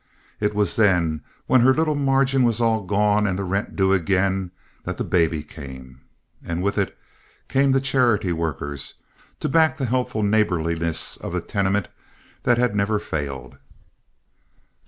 It was then, when her little margin was all gone and the rent due again, that the baby came. And with it came the charity workers, to back the helpful neighborliness of the tenement that had never failed.